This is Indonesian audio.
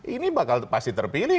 ini pasti terpilih